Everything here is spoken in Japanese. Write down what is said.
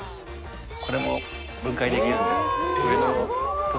これも分解できるんです。